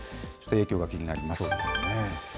影響が気になります。